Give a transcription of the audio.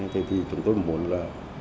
thế thì chúng tôi muốn là